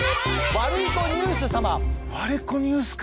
ワルイコニュースか。